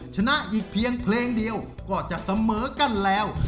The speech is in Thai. ชนะอีกเพียงเพลงเดียวก็จะเสมอกันแล้ว